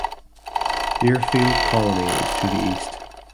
Deerfield Colony is to the east.